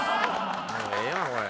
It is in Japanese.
もうええわこれ。